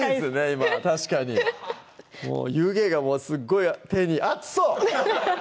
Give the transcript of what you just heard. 今確かに湯気がすっごい手に熱そう！